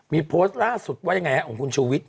มีโพสต์ล่าสุดว่ายังไงฮะของคุณชูวิทย